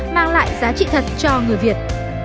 mang lại giá trị thật cho người việt